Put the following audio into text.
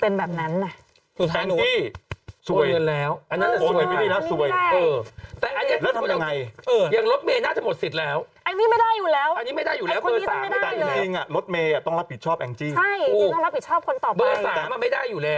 กลับมาหาพี่เออมันเป็นแบบนั้นนะสุดท้ายโอ้เลือนแล้วอันนั้นสวยพี่นะคะ